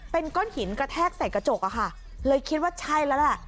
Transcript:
เป็นก้อนหินกระแทกใส่กระจกอะค่ะเลยคิดว่าใช่แล้วแหละ